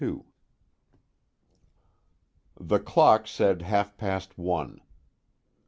II The clock said half past one.